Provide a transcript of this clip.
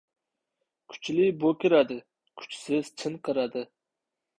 • Kuchli ― bo‘kiradi, kuchsiz ― chinqiradi.